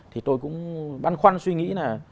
thì tôi cũng băn khoăn suy nghĩ là